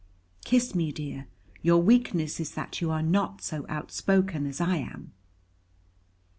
Kiss me, dear; your weakness is that you are not so outspoken as I am.